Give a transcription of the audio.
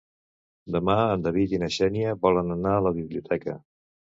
Demà en David i na Xènia volen anar a la biblioteca.